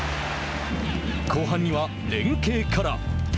後半には、連係から。